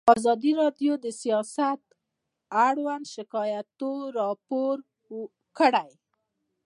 ازادي راډیو د سیاست اړوند شکایتونه راپور کړي.